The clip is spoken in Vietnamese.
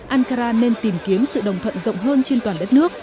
ankara nên tìm kiếm sự đồng thuận rộng hơn trên toàn đất nước